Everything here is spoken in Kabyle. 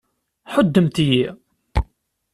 Ḥuddemt-iyi!